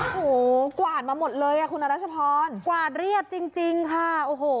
โอ้โหกวาดมาหมดเลยอ่ะคุณรัชพรกวาดเรียบจริงจริงค่ะโอ้โห